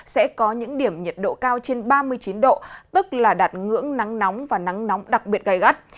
sẽ có những điểm nhiệt độ cao trên ba mươi chín độ tức là đạt ngưỡng nắng nóng và nắng nóng đặc biệt gai gắt